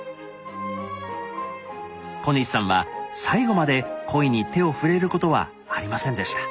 小西さんは最後までコイに手を触れることはありませんでした。